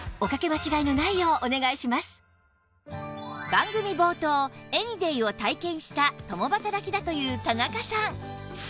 番組冒頭エニデイを体験した共働きだという田中さん